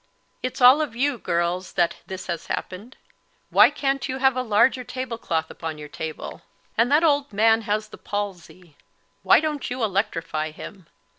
"It's all of you, girls, that his has happened. Why can't you have a larger tablecloth upon your table! And that old man has the palsy. Why don't you electrify him?'